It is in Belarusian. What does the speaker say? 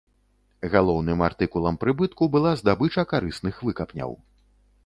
Галоўным артыкулам прыбытку была здабыча карысных выкапняў.